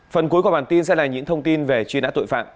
phần cuối của bản tin sẽ là những thông tin về truy nã tội phạm